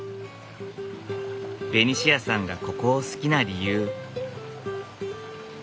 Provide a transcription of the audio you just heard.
ベニシアさんがここを好きな理由。